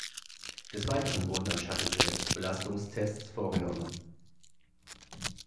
Des Weiteren wurden am Shuttle selbst Belastungstests vorgenommen.